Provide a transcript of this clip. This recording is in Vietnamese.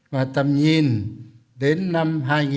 và tầm nhìn đến năm hai nghìn bốn mươi